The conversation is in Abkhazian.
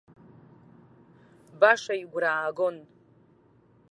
Баша игәра аагон.